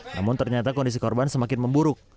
namun ternyata kondisi korban semakin memburuk